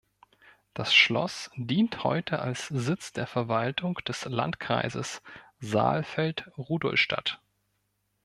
Das Schloss dient heute als Sitz der Verwaltung des Landkreises Saalfeld-Rudolstadt.